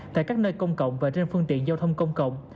tại các nơi công cộng và trên phương tiện giao thông công cộng